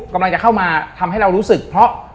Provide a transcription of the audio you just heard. กำลังจะเข้ามาทำให้เรารู้สึกเพราะ